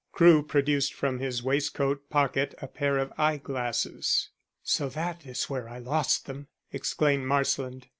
Crewe produced from his waistcoat pocket a pair of eye glasses. "So that is where I lost them!" exclaimed Marsland.